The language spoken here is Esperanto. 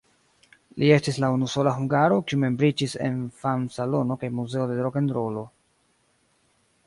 Li estis la unusola hungaro, kiu membriĝis en Fam-Salono kaj Muzeo de Rokenrolo.